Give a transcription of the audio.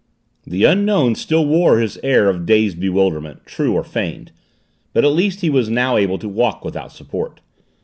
The Unknown still wore his air of dazed bewilderment, true or feigned, but at least he was now able to walk without support.